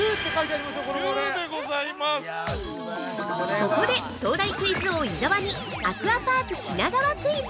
◆ここで東大クイズ王・伊沢にアクアパーク品川クイズ！